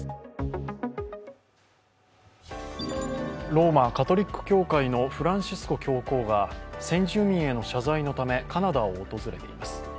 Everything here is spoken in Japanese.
ローマ・カトリック教会のフランシスコ教皇が先住民への謝罪のためカナダを訪れています。